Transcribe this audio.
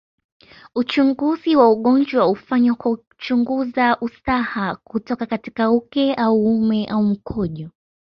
Uchunguzi wa ugonjwa hufanywa kwa kuchungunza usaha kutoka katika uke au uume au mkojo